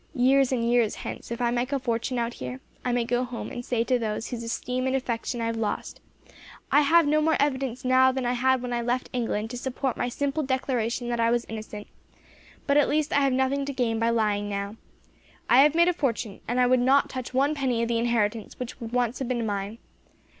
Years and years hence, if I make a fortune out here, I may go home and say to those whose esteem and affection I have lost, 'I have no more evidence now than I had when I left England to support my simple declaration that I was innocent, but at least I have nothing to gain by lying now. I have made a fortune, and would not touch one penny of the inheritance which would once have been mine.